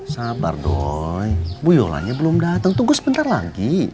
sabar doi bu yolanya belum dateng tunggu sebentar lagi